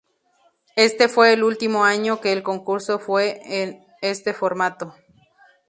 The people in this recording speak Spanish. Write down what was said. Este fue el último año que el concurso fue en este formato.